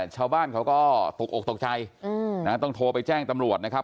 ชาวบ้านเขาก็ตกอกตกใจต้องโทรไปแจ้งตำรวจนะครับ